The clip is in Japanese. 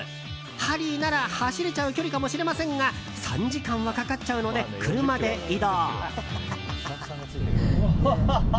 ハリーなら走れちゃう距離かもしれませんが３時間はかかっちゃうので車で移動。